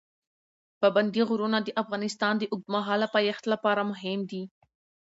پابندي غرونه د افغانستان د اوږدمهاله پایښت لپاره مهم دي.